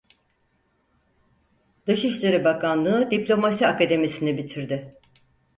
Dışişleri Bakanlığı Diplomasi Akademisi'ni bitirdi.